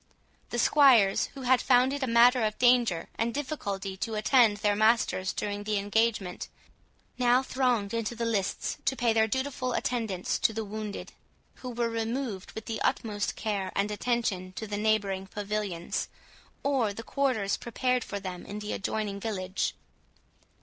The squires, who had found it a matter of danger and difficulty to attend their masters during the engagement, now thronged into the lists to pay their dutiful attendance to the wounded, who were removed with the utmost care and attention to the neighbouring pavilions, or to the quarters prepared for them in the adjoining village.